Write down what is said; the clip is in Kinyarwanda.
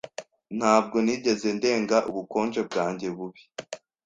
Ntabwo nigeze ndenga ubukonje bwanjye bubi.